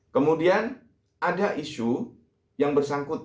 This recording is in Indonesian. kemudian ada isu yang bersangkutan